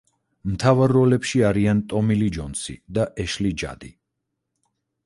მთავარ როლებში არიან ტომი ლი ჯონსი და ეშლი ჯადი.